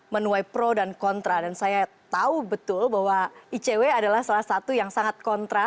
menuai pro dan kontra dan saya tahu betul bahwa icw adalah salah satu yang sangat kontra